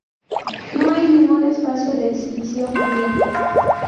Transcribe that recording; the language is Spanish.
No hay ningún espacio de exhibición cubierto.